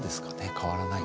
変わらない？